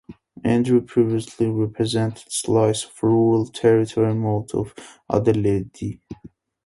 Andrew previously represented a slice of rural territory north of Adelaide.